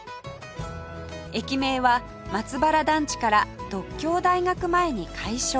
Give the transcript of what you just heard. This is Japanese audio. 駅名は「松原団地」から「獨協大学前」に改称